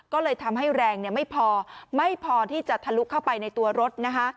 ก็เลยทำให้แรงไม่พอไม่พอที่จะทะลุเข้าไปในตัวรถนะคะ